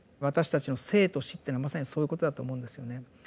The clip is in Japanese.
私たちの生と死っていうのはまさにそういうことだと思うんですよね。